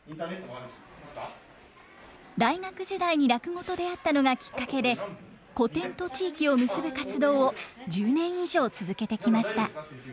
大学時代に落語と出会ったのがきっかけで古典と地域を結ぶ活動を１０年以上続けてきました。